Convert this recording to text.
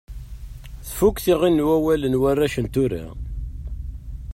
Tfukk tiɣin n wawal n warrac n tura.